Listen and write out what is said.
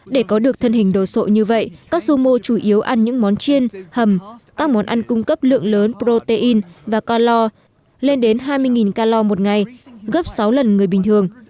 để có được thân hình đồ sộ như vậy các sumo chủ yếu ăn những món chiên hầm các món ăn cung cấp lượng lớn protein và conlore lên đến hai mươi calor một ngày gấp sáu lần người bình thường